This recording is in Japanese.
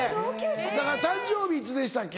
誕生日いつでしたっけ？